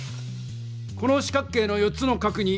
この四角形の４つの角に。